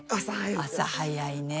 朝早いね。